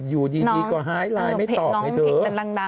ยูดีดีกว่าไฮไลน์ไม่ตอบไฮเถอะ